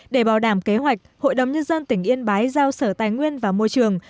để bảo đảm kế hoạch hội đồng nhân dân tỉnh yên bái giao sở tài nguyên và môi trường